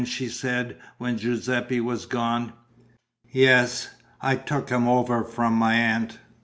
she said, when Giuseppe was gone. "Yes, I took him over from my aunt.